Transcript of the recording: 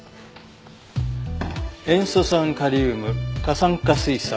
「塩素酸カリウム過酸化水素アセトン」。